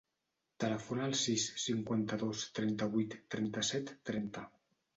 Telefona al sis, cinquanta-dos, trenta-vuit, trenta-set, trenta.